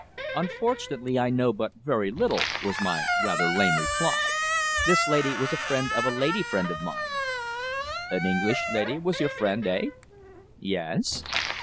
"Unfortunately, I know but very little," was my rather lame reply. "This lady was a friend of a lady friend of mine." "An English lady was your friend eh?" "Yes."